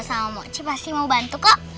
sama mochi pasti mau bantu kok